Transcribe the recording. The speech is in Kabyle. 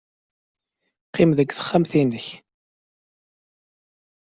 Qqim deg texxamt-nnek.